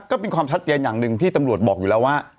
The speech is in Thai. ก็เป็นความชัดเจนอย่างหนึ่งที่ตำรวจบอกอยู่แล้วว่า